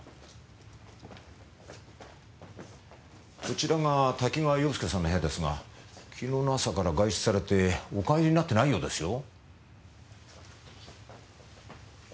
こちらが多岐川洋介さんの部屋ですが昨日の朝から外出されてお帰りになってないようですよ。